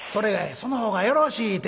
その方がよろしいて。